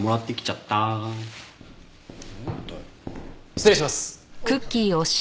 失礼します。